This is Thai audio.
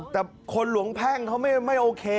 แต่คนหลวงแพ่งเขาไม่โอเค